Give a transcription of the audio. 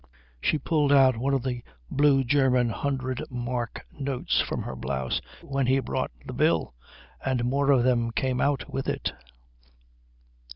She pulled out one of the blue German hundred mark notes from her blouse when he brought the bill, and more of them came out with it.